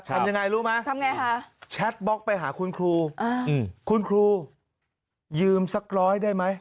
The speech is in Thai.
ทำยังไงรู้ไหมทำไงฮะแชทบล็อกไปหาคุณครูคุณครูยืมสักร้อยได้ไหม